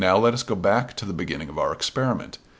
Let us now go back to the beginning of our experiment.